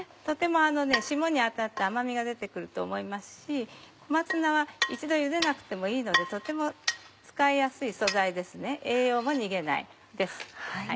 とても霜に当たって甘みが出て来ると思いますし小松菜は一度ゆでなくてもいいのでとても使いやすい素材ですね栄養も逃げないです。